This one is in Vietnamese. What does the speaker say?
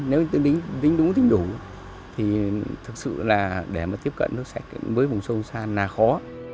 nếu tính đúng tính đủ thì thực sự là để mà tiếp cận nó sạch với vùng sâu xa là khó